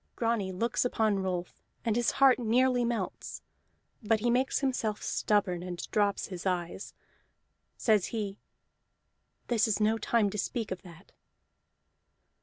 Grani looks upon Rolf, and his heart nearly melts: but he makes himself stubborn and drops his eyes. Says he: "This is no time to speak of that."